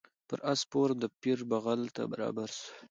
پر آس سپور د پیر بغل ته برابر سو